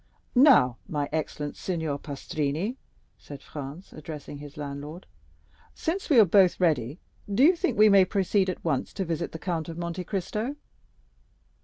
"Now, my excellent Signor Pastrini," said Franz, addressing his landlord, "since we are both ready, do you think we may proceed at once to visit the Count of Monte Cristo?"